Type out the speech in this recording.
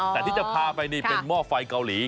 แต่ที่จะพาไปนี่เป็นหม้อไฟเกาหลี